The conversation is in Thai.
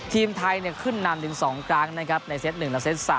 ทีมไทยเนี่ยขึ้นนำ๑๒กลางนะครับในเซต๑และเซต๓